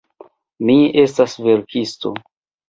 Mi estas verkisto.